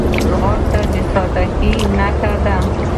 ځغاسته د سادګۍ نښه ده